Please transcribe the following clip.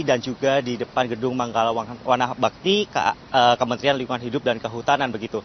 dan juga di depan gedung manggalawang wanabakti kementerian lingkungan hidup dan kehutanan